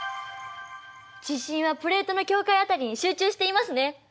地震はプレートの境界辺りに集中していますね。